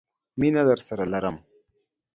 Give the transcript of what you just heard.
مينه درسره لرم.